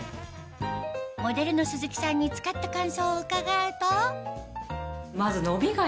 モデルの鈴木さんに使った感想を伺うとまず。